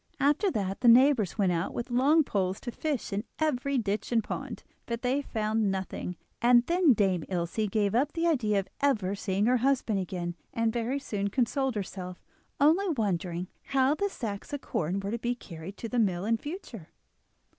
After that the neighbours went out with long poles to fish in every ditch and pond, but they found nothing, and then Dame Ilse gave up the idea of ever seeing her husband again and very soon consoled herself, only wondering how the sacks of corn were to be carried to the mill in future.